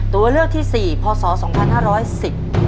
ตัวเลือกที่สี่พศ๒๕๑๐